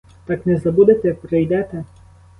Так не забудете, прийдете?